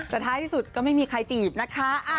แต่ท้ายที่สุดก็ไม่มีใครจีบนะคะ